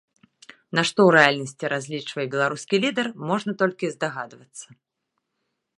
На што ў рэальнасці разлічвае беларускі лідар, можна толькі здагадвацца.